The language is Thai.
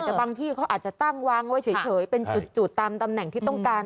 แต่บางที่เขาอาจจะตั้งวางไว้เฉยเป็นจุดตามตำแหน่งที่ต้องการ